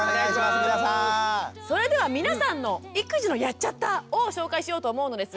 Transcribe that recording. それでは皆さんの育児の「やっちゃった！」を紹介しようと思うのですが。